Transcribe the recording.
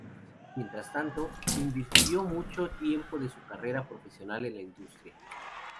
Mientras tanto, invirtió mucho tiempo de su carrera profesional en la industria.